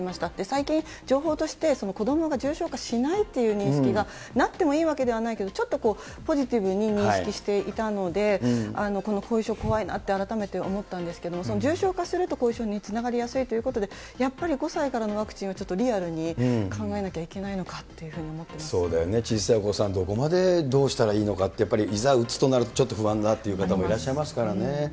最近、情報として子どもが重症化しないっていう認識がなくてもいいわけではないけど、ちょっとポジティブに認識していたので、この後遺症、怖いなって、改めて思ったんですけども、重症化すると後遺症につながりやすいということで、やっぱり５歳からのワクチンはリアルに考えなきゃいけないのかっそうだよね、小さいお子さん、どこまでどうしたらいいのかって、いざ打つとなると、不安がっていう方もいらっしゃいますからね。